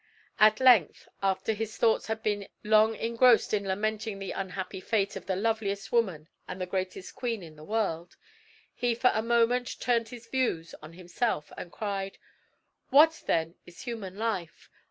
At length, after his thoughts had been long engrossed in lamenting the unhappy fate of the loveliest woman and the greatest queen in the world, he for a moment turned his views on himself and cried: "What then is human life?